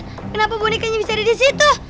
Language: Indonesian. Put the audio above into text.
kenapa bonekanya bisa ada di situ